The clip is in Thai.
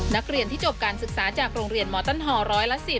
นักเรียนที่จบการศึกษาจากโรงเรียนมต้นฮร้อยละ๑๐